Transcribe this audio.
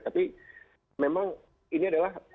tapi memang ini adalah